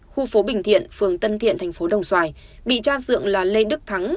khu phố bình thiện phường tân thiện thành phố đồng xoài bị tra dựng là lê đức thắng